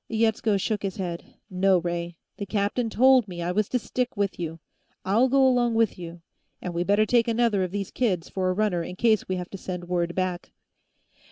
Yetsko shook his head. "No, Ray; the captain told me I was to stick with you. I'll go along with you. And we better take another of these kids, for a runner, in case we have to send word back."